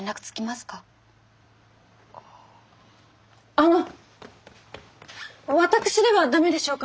あの私ではダメでしょうか？